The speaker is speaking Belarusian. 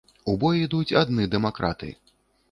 У бой ідуць адны дэмакраты.